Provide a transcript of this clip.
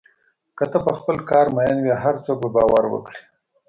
که ته په خپل کار مین وې، هر څوک به باور وکړي.